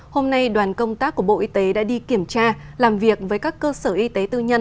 hôm nay đoàn công tác của bộ y tế đã đi kiểm tra làm việc với các cơ sở y tế tư nhân